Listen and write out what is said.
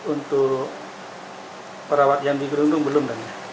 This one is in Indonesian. untuk perawat yang digerundung belum